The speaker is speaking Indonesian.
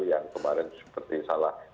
yang kemarin seperti salah